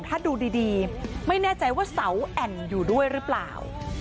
ถ้าดูดีไม่แน่ใจว่าเสาแอ่นอยู่ด้วยหรือเปล่า